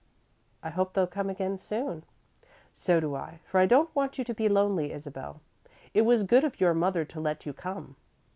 "I hope they'll come again soon." "So do I, for I don't want you to be lonely, Isabel. It was good of your mother to let you come."